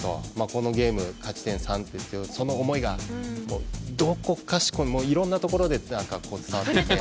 このゲーム、勝ち点３というその思いがどこかしこ、いろんなところで伝わってきて